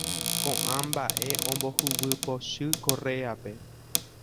Koʼã mbaʼe ombohuguypochy Correape.